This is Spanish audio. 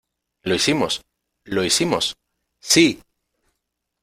¡ Lo hicimos! ¡ lo hicimos !¡ sí !